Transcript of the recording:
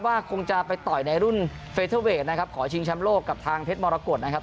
ว่าคงจะไปต่อยในรุ่นนะครับขอชิงชั้นโลกกับทางเพชรมรกฏนะครับ